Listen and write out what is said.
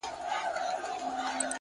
ده څومره ارزاني! ستا په لمن کي جانانه!